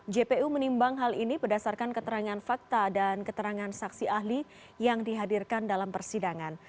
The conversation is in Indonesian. jpu menimbang hal ini berdasarkan keterangan fakta dan keterangan saksi ahli yang dihadirkan dalam persidangan